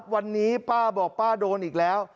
วันนี้ป้าบอกป้าโดนอีกแล้ว